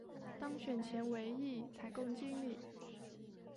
当选前为一采购经理。